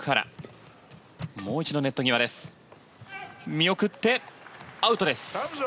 見送って、アウトです。